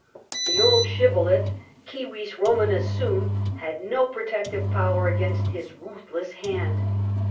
The old shibboleth, civis Romanus sum, had no protective power against his ruthless hand.